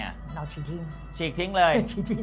เอาฉีกทิ้งฉีกทิ้งเลย